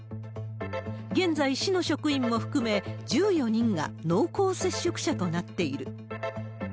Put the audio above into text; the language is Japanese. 現在、市の職員も含め、１４人が濃厚接触者となっている。